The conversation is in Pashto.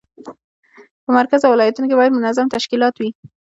په مرکز او ولایاتو کې باید منظم تشکیلات وي.